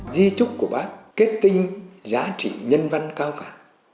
di trúc của bác kết tinh giá trị nhân văn cao cả